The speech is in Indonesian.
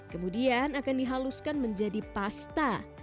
kemudian akan dihaluskan menjadi pasta